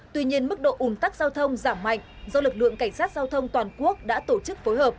tuy nhiên mức độ ủng tắc giao thông giảm mạnh do lực lượng cảnh sát giao thông toàn quốc đã tổ chức phối hợp